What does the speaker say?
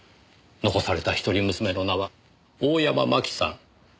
残された一人娘の名は大山麻紀さん。